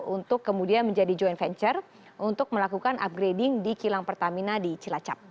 untuk kemudian menjadi joint venture untuk melakukan upgrading di kilang pertamina di cilacap